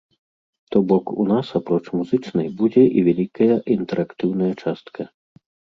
То бок, у нас, апроч музычнай, будзе і вялікая інтэрактыўная частка.